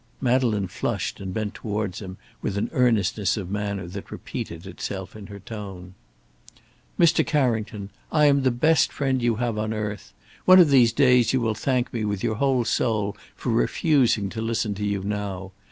Madeleine flushed and bent towards him with an earnestness of manner that repeated itself in her tone. "Mr. Carrington, I am the best friend you have on earth. One of these days you will thank me with your whole soul for refusing to listen to you now.